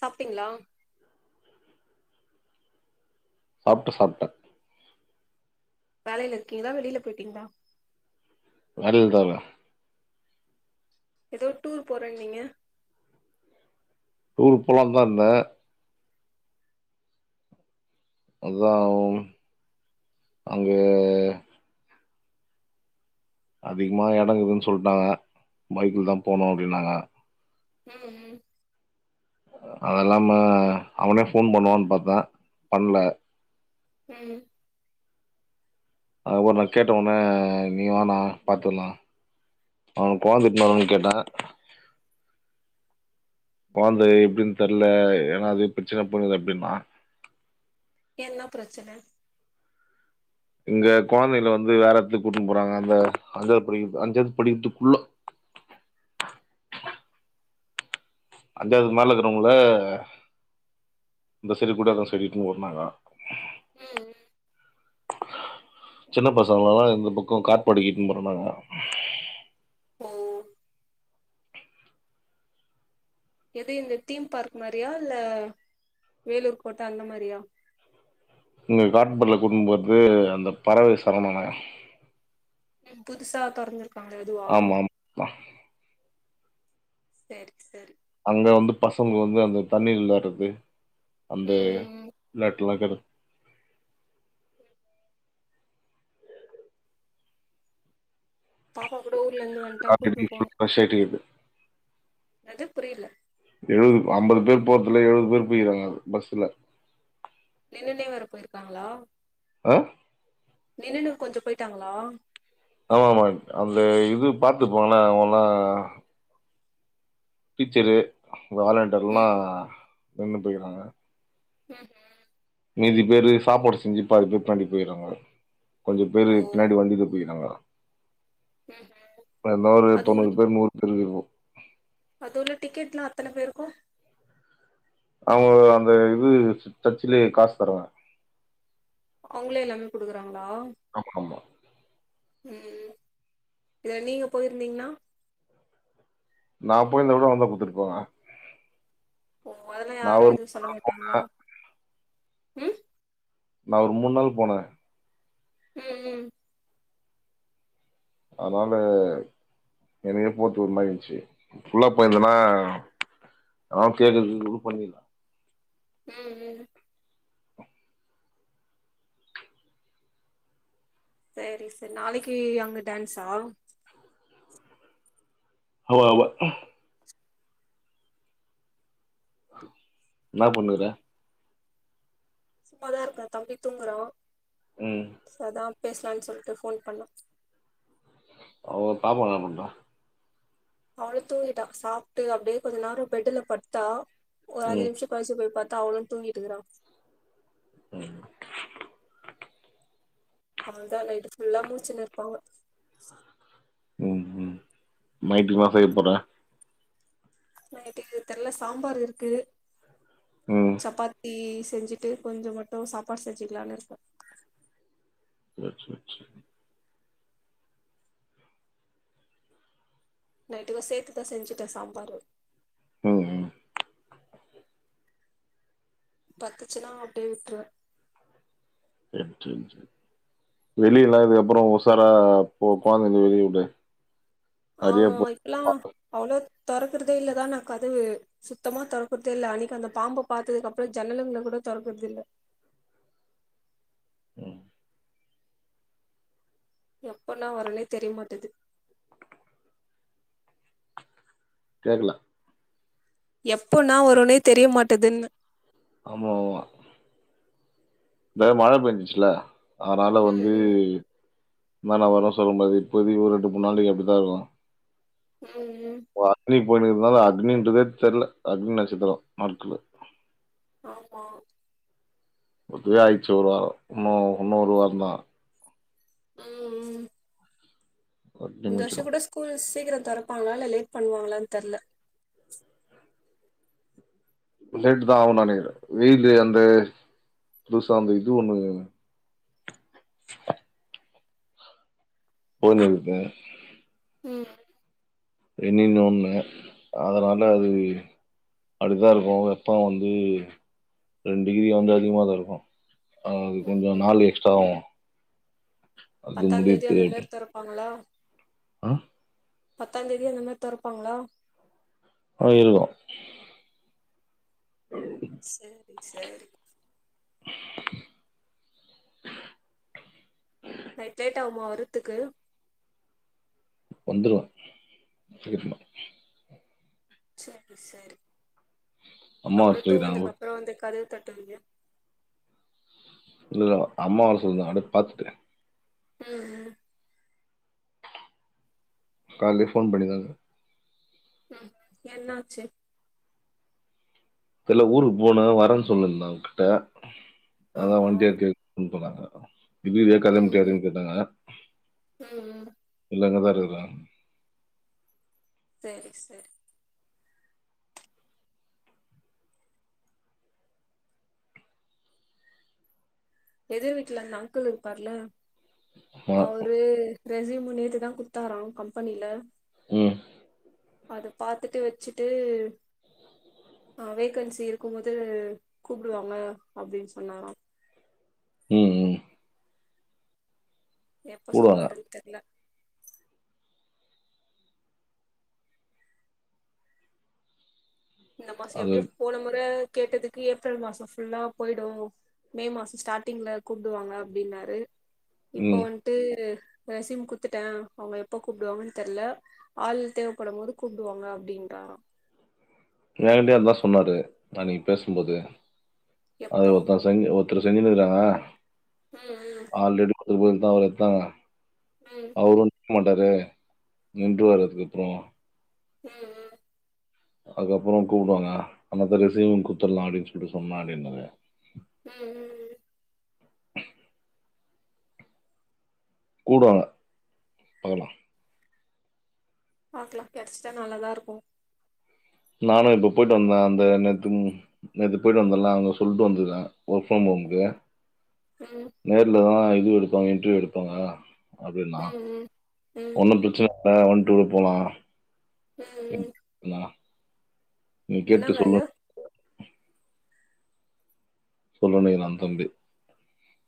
சாப்பிட்டீங்களா சாப்பிட்ட சாப்பிட்ட வேலையில இருக்கீங்களா வெளியில போயிட்டீங்களா வ த [unintelligible] ஏதோ டூர் போறே நீங்க டூர் போலானு தான் இருந்தேன் அதான் ஒ அங்கே அதிகமா இடங்குதுன்னு சொல்லிட்டாங்க பைக்ல தான் போனும் அப்டின்னாங்க ம் ம் அதல்லாம அவனே போன் பண்ணுவானு பாத்தா பண்ல ம் அதுக்கப்பறோம் நான் கேட்ட ஒடனே நீ வாணா பாத்துலாம் அவனுக்கு கொழந்த எத்தனும் கேட்டன் கொழந்த எப்டினு தெரல ஏன்னா அது பிரச்சன பண்ணுது அப்டின்னா என்ன பிரச்சன இங்க குழந்தைல வந்து வேற எடத்துக்கு கூட்டிட்டு போறாங்க அந்த அஞ்சாது படிக்க அஞ்சாது படிக்கிற புள்ள அஞ்சாது மேல இருக்கிறவங்கள இந்த சைடு கூட்டி அந்த சைடு இழுத்துன்னு போனாங்க ம்ம் சின்ன பசங்கல்லாம் இந்த பக்கம் காட்பாடிக்கு இழுத்துட்டு போறோம்னாங்க ஒ எது இந்த தீம் பார்க் மாரியா இல்ல வேலூர் கோட்ட அந்த மாரியா இங்க காட்பாடில கூட்டிட்டு போறது அந்த பறவை சரணாலயம் புதுசா தொரந்துருக்கு அந்த இதுவா ஆமா, ஆமா. செரி செரி அங்க வந்து பசங்க வந்து அந்த தண்ணில வெளியாடுறது அந்த ம் ம் ம் வெளயாட்லாம் கிறது பாப்பா ஊர்ல இருந்து வந்ட்டா கூட்னு ராத்திரிக்குள் பஸ் ஏரிறது என்னாது புரியல எழுபது ஐம்பது பேர் போரதல எழுபது பேர் போய்கிறாங்க அ பஸ்ஸல நின்னுனே வர போயிருக்காங்களா ஆ நின்னுனு கொஞ்சம் போயிட்டாங்களா ஆமா ஆமா அந்த இது பாத்துப்பாங்கல அவங்கல்லாம் டீச்சரு ம் வாலண்டர்லாம் நின்னு போய்றாங்க ம் ம் மீதி பேரு சாப்பாடு செஞ்சு பாதி பேர் பின்னாடி போய்றாங்க கொஞ்ச பேரு ஓ பின்னாடி வண்டி ல போயிறாங்க ம் என்ன ஒரு தொண்ணுரு பேர் நூரு பேர் இருக்கும் அது உள்ள டிக்கெட்லாம் அத்தன பேருக்கும் அவுங்க அந்த இது சச்சிலயே காசு தருவாங்க அவங்களே எல்லாமே குடுக்குறாங்க ஆமாமா ம் இத நீங்க போயிருந்தீங்கன்னா நான் போய் இந்த விட வந்த கூத்தடிப்பாங்க ஓ அதெல்லாம் யாரும் எதுவும் சொல்ல மாட்டாங்களா உம் நா ஒரு மூணு நாள் போனேன் உம்-உம் அதனால எனகே போரத்து ஒரு மாியாடுச்சு புல்லா போயந்தன்னா [unintelligible] கேக்குறது இது பண்ணலாம் உம்-உம் செரி-செரி நாளைக்கு அங்க டான்ஸா ஆவ அவ என்னா பண்ணுற சும்மாதான் இருக்கேன் தம்பி தூங்குறன் உம் பேசலாம்னு சொல்லிட்டு போன் பண்ண அவ பாப்பா என்ன பண்ற அவளலும் தூங்கிட்டா சாப்ட்டு அப்டியே கொஞ்ச நேரம் பெட்டு்ல படுத்தா ஒரு அஞ்சு ம் நிமிஷ கயிச்சி போய் பாத்த தா அவுனும் தூங்கிட்டு இருக்கிறான் உம் அவளதான் நைட்டு புல்லா மூச்சன்னு இருப்பாங்க உம்-உம் நைட்டு [unintelligible] சொய்ய போற நைட்டுக்கு தெரில சாம்பார் இருக்கு ம் சப்பாத்தி செஞ்சுட்டு கொஞ்ச மட்டும் சாப்பாடு செஞ்சுக்கலனு இருக்கேன் [unintelligible] நைட்டுக்கு சேர்த்துதான் செஞ்சுட்டேன் சாப்பாடு உம்-உம் பத்துச்சுன்னா அப்டியே விட்டுருவேன் செ-செ வெளியல்லா இதுக்கப்பறம் உசாரா போ குழந்தைங்க வெளிய விட்டு ஹா இப்பல்லாம் அவ்ளோ துறக்கறதே இல்லதான் நா கதவு சுத்தமா துறக்கறதே இல்ல அன்னிக்கு அந்த பாம்பு பாத்ததுக்கு அப்பறம் ஜன்னலங்களை கூட துறக்கறத இல்ல ம் எப்பண்ணா வரேனே தெரியமாட்டது கேக்கல எப்போ நா வரும்னே தெரிய மாட்டதுன்ன ஆமா-ஆமா இத மழ பெஞ்சுச்சுல அதனால வந்து ம் என்னன்னா வரும் சொல்லும்பது இப்போதி ஒரு ரெண்டு மூணு நாளைக்கு அப்டித்தான் இரு உம்-உம் போய்னுருக்குதனால அக்னின்றதே தெரியல அக்னி நட்சத்திரம் ம்கல ஆமா [unintelligible] ஆயிச்சு ஒரு வாரம் இன்னும்-இன்னும் ஒரு வாரம்தான் உம்-உம் அக்னி இந்த வருசம் முடிஞ்சிரும். கூட ஸ்கூல் சீக்கிரம் தரப்பாங்களா இல்ல லேட் பண்ணுவாங்களனு தெரியல லேட் தான் ஆவும் நனக்கிறே வெய்ல அந்த புதுசா அந்த இது ஒண்ணு போன்ருக்குகே ம் ரண்ணின்னு ஒன்று அதனால அது அடுத்தான் இருக்கும் வெப்பம் வந்து ரெண்டு டிகிரிய வந்து அதிகம தான் இருக்கும் அது ம் கொஞ்சம் நாலு எக்ஸ்ட்ரா வும் பத்தாம் தேதி அந்த மேரி தோறப்பாங்களா ஆஹ பத்தாம் தேதி அந்த மேரி தோறப்பாங்களா அ இருக்கும் உ செரி செரி [inaudible] நைட் லேட் ஆகுமா வருத்துக்கு வந்துடுவன் சீகரமா செரி செரி அம்மா வர அப்புறம் சொல்லிக்கிறாங்க. தூங்கதுக்கு அப்புறம் வந்து கது கட்டங்க இல்ல இல்ல அம்மாவ சொல்ல அட பாத்துட்ட ஹம் உம் காலே போன் பண்ணி தாத உம் என்னாச்சு ல்ல ஊருக்கு போனும் வரேன்னு சொல்லுருந்தான் உ கிட்ட அதான் ஆஹா வண்டிய கே சொன்னாங்க ஹ இே கல்ல ம் முட்டியாருன்னு கேட்டாங்க ம் இல்லங்கதான் [unintelligible] ற [unintelligible] செரி செரி எதிர் வீட்டுல அந்த அங்கிள் இருப்பாார்ல ஆ. அவரு ரெசியூமு நேற்று தான் குடுத்தார கம்பெனியில் உம் அத பாாரத்துட்டு வச்சுட்டு அஹ் வேகன்சி இருக்கும்போது கூப்பிடுவாங்க அப்படின்னு சொன்னாராம் உஹம் உம் எப்ப கூடுவாங்க. சொல்லுவாருன்னு தெரியல இந்த மாசி அது எப்படியே போன முற கேட்டதுக்கு ஏப்ரல் மாசம் ஃபுல்லா போயிடும் மே மாசம் ஸ்டார்ட்டிங்ல கூப்பிடுவாங்க அப்டின்னாரு இப்போ ம். வந்துட்டு ரேசிம் குத்துட்டேன் அவங்க எப்ப கூப்படுவாங்கனு தெரியல ஆள் தேவைப்படும்போது கூப்பிடுவாங்க அப்டின்றா ஏகண்டய அதான் சொன்னாரு அன்னைக்கு பேசும்போது அத எப்போ ஒத்தான் சங்க ஒ அத்த செஞ்சுனுக்கறாங்க ம் ஆல்ரடி ஒருபதான் ஒரு எத்தான் ம் அவருன் இருக்க மாட்டாரு நின்று வர்ரு அதுக்கு அப்பறம் ம் ம் அதுக்கப்பறம் கூப்பிடுவாங்க அனாத ரிசீவ் குத்துடலாம் அப்டின்னு சொல்லி சொன்னன் அப்டின்னாரு ம் ம் கூப்டுவாங்க பகலாம் பாக்கலாம் கெடைச்சிட்டா நல்லாதா இருக்கும் நானும் இப்ப போயிட்டு வந்தேன் அந்த நேத்து நேத்து போயிட்டு வந்தல அவங்க சொல்லிட்டு வந்துருகேன் ஒர்க் ஃப்ரம் ஹோம்கு ம் நேர்லதான் எடுப்பாங்க இன்டர்வியூ எடுப்பாங்க அப்டின்னா ம் ம் ம் ஒண்ணும் பிரச்சனை ஆ ஒன் டூர்ரு போலாம் ம் ம் [inaudible] உம் என்ன கேட்டு வேல சொல்லு சொல்லு நான் தம்பி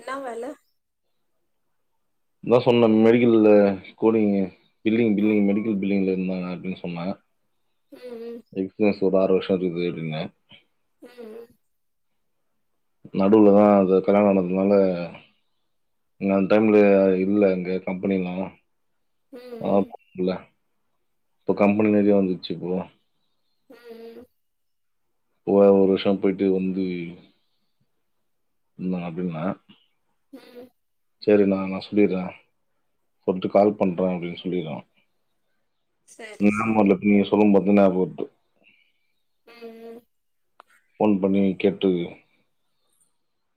என்னா வேல நான் சொன்னன் மெடிக்கல்ல கூடிங்க பில்லிங் ஆ பில்லிங் மெடிக்கல் பில்டிங்கில் இருந்தாலால் அப்டின்னு சொன்னா ம் ம் அது தொரு ஆறு வருஷம் போய்ருந்தேன் ம் நடுவுலதான் அது கல்யாணம் ஆணதுனால இங்க அந்த டைம்ல இல்ல இங்க கம்பெனில்லாம் ம் ம் ஆகும்ல இப்போ கம்பெனி நெறையா வந்துருச்சுப்போ ம் ம் ஒ ஒரு வருஷம் போயிட்டு வந்து இருந்த அப்டின்னா ம் சரிண்ணா நான் சொல்லிடுறேன் சொல்டு கால் பண்ணுறேன் அப்டின்னு சொல்லிறேன் சரி சரி ஆமால நீங்க சொல்லும் போது தன்னாபோட்டு ம்ம் போன் பண்ணி கேட்டு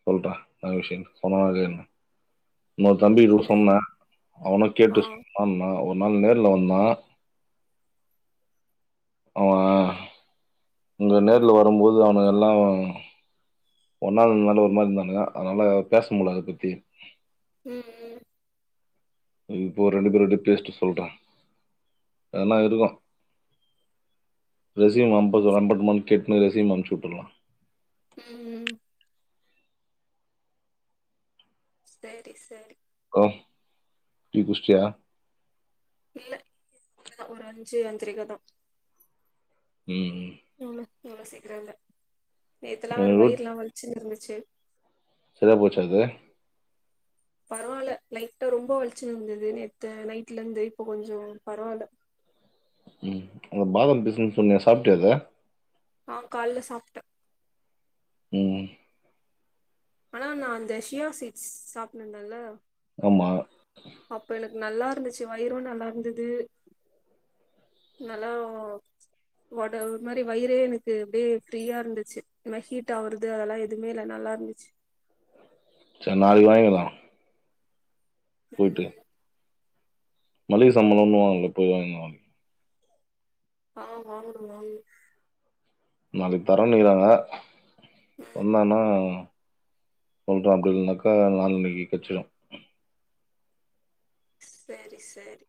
சொல்றேன் என்னா விஷ்யம்னு சொன்னன இல்ல உன்னோட தம்பி கூட சரி சொன்னேன் அவன ஆ கேட்டு சொன்ன ஓயன் இயர்ல வந்தான் அவேன் உங்க நேர்ல வரும்போது அவனு எல்லாம் ஒன்னா நின்னால ஒரு மாரி இருந்தானுங்க அதனால பேச முடிய அத பத்தி ம் ம் இப்போ ரெண்டு பேருரோட பேஸ்ட் சொல்றேன் அதனா இருக்கும் ரிசீம் அம்பது அனுப்பட்டும கேட்டுன்னு ரிசீம் அனுச்சுட்டுலாம் ம் ம் செரி செரி ஹலோ டீ குடிச்சிட்டியா [unintelligible] ம் ம் இவல இவவ்ளோ சீக்கிரம்ல்ல நேத்தெல்லாம் ஒரு எனக்கு வயிற எல்லாம் வலிச்சுனு இருந்துச்சு ச்ச செரியா போச்சு பரவாயில்ல லைட்ட ரொம்ப வலிச்சுனு வந்தது நேத்து நைட்ல இருந்து இப்ப கொஞ்சம் பரவாயில்ல ம் அந்த பாதாம் பிசனுு சொன்ன சாப்பட்டியாத ஆ காலல சாப்பட்டேன் ம் ஆனா நான அந்த ஷியாஸ்சீட்ஸ் சாப்பிடனுன்னல ஆமா அப்ப எனக்கு நல்லா இருந்துச்சு வைறும் நல்லா இருந்தது நல்லா ஒரு மாதிரி வயிரே எனக்கு அப்படியே ஃப்ரியா இருந்துச்சு நன ஹீட் ஆகுறது அதெல்லாம் எதுவுமே இல்ல நல்லா இருந்துச்சு செரி நளைக்கு வாங்கிக்கலாம் போய்ட்டு மளிகை சம்பளம் ஒன்னும் வாங்கல போய் வாங்கனு ம் ஆஹ் வாங்கணும் வாங்கணும் நாளைக்கு தரன் நிக்கிறாங்க ம் என்னனா சொல்றோ அப்படி இல்லனாக நாள்னன்னைக்கு கெச்சிடம் செரி செரி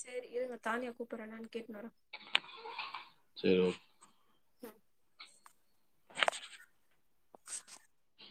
செரி இருங்க தானியா கூப்படுரா நான்னு கேட்னுவர செரி ஓகே [unintelligible] [unintelligible] [unintelligible]